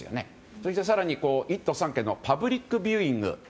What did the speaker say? そして更に、１都３県のパブリックビューイング。